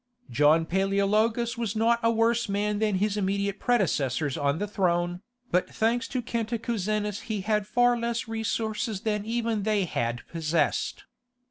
John Paleologus was not a worse man than his immediate predecessors on the throne, but thanks to Cantacuzenus he had far less resources than even they had possessed.